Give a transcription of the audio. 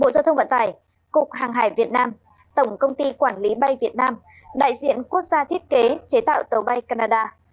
bộ giao thông vận tải cục hàng hải việt nam tổng công ty quản lý bay việt nam đại diện quốc gia thiết kế chế tạo tàu bay canada